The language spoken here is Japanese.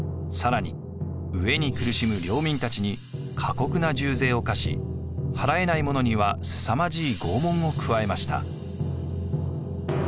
更に飢えに苦しむ領民たちに過酷な重税を課し払えない者にはすさまじい拷問を加えました。